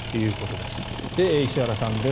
で、石原さんです。